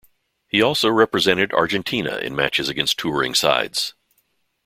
He also represented Argentina in matches against touring sides.